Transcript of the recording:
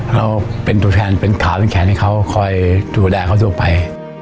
เราเป็นตัวแทนเป็นขาเป็นแขนให้เขาคอยดูแลเขาทั่วไป